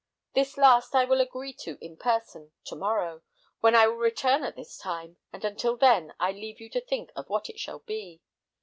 This last I will agree to in person to morrow, when I will return at this time; and until then I leave you to think of what it shall be."